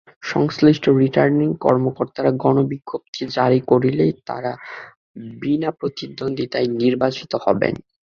সংশ্লিষ্ট রিটার্নিং কর্মকর্তারা গণবিজ্ঞপ্তি জারি করলেই তাঁরা বিনা প্রতিদ্বন্দ্বিতায় নির্বাচিত হবেন।